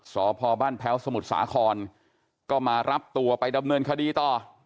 สพบ้านแพ้วสมุทรสาครก็มารับตัวไปดำเนินคดีต่อ